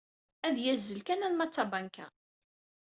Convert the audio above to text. Ad yazzel kan arma d tabanka.